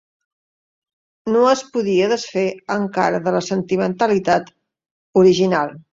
No es podia desfer encara de la sentimentalitat original